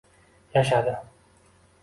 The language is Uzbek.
Yashadi.